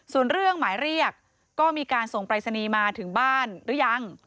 ส่วนเรื่องหมายเรียกก็มีการส่งปรายศนีย์มาถึงบ้านหรือยัง